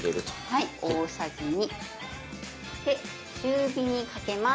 はい大さじ２。で中火にかけます。